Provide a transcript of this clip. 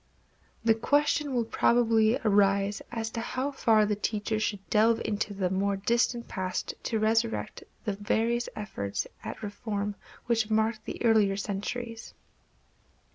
The question will probably arise as to how far the teacher should delve into the more distant past to resurrect the various efforts at reform which marked the earlier centuries.